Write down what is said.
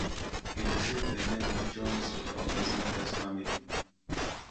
He received the name of Jones from his mother's family.